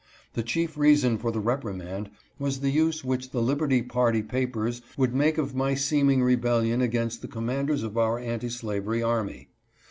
The chief reason for the reprimand was the use which the liberty party papers would make of my seeming rebellion against the com manders of our anti slavery army.